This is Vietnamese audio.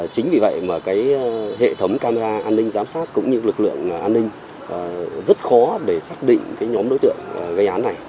chính vì vậy mà cái hệ thống camera an ninh giám sát cũng như lực lượng an ninh rất khó để xác định cái nhóm đối tượng gây án này